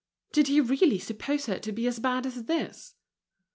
Did he really suppose her to be as bad as this?